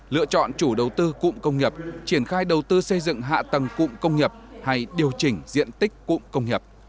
lựa chọn chủ đầu tư cụng công nghiệp triển khai đầu tư xây dựng hạ tầng cụng công nghiệp hay điều chỉnh diện tích cụng công nghiệp